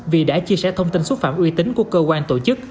vì đã chia sẻ thông tin xúc phạm uy tín của cơ quan tổ chức